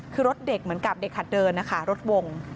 คือรถเด็กเหมือนกับเด็กหัดเดินนะคะรถวง